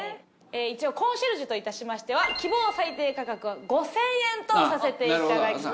一応コンシェルジュといたしましては希望最低価格は５０００円とさせていただきたいと思います。